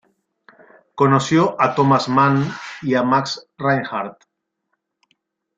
Conoció a Thomas Mann y a Max Reinhardt.